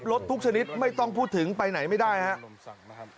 ทุกชนิดไม่ต้องพูดถึงไปไหนไม่ได้ครับ